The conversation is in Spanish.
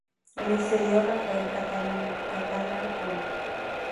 Le sucedió Rafael Catalá Polo.